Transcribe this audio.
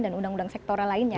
dan undang undang sektoral lainnya